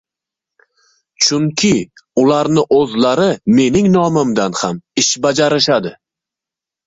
chunki ularni oʻzlari mening nomimdan ham ish bajarishadi.